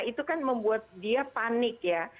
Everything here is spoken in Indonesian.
itu kan membuat dia panik ya